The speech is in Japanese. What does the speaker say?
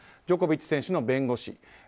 ジョコビッチ選手の弁護士